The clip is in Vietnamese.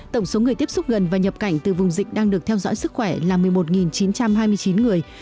tổng số người tiếp xúc gần và nhập cảnh từ vùng dịch đang được theo dõi sức khỏe là một mươi một chín trăm hai mươi chín người